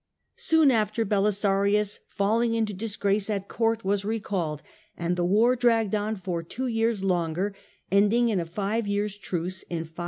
Soon after, Belisarius, falling into disgrace at Court, was recalled, and the war dragged on for two years longer, ending in a five years' truce in 545.